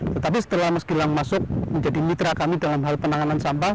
tetapi setelah mas gilang masuk menjadi mitra kami dalam hal penanganan sampah